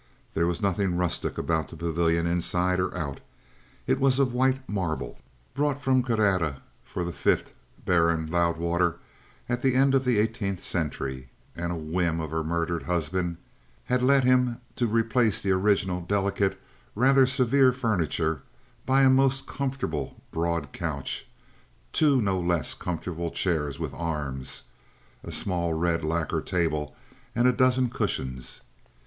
There was nothing rustic about the Pavilion inside or out. It was of white marble, brought from Carrara for the fifth Baron Loudwater at the end of the eighteenth century; and a whim of her murdered husband had led him to replace the original, delicate, rather severe furniture by a most comfortable broad couch, two no less comfortable chairs with arms, a small red lacquer table and a dozen cushions.